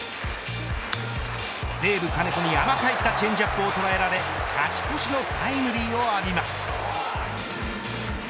西武、金子に甘く入ったチェンジアップを捉えられ勝ち越しのタイムリーを浴びます。